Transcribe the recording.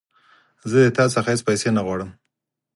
زه ستا څخه هیڅ پیسې نه غواړم.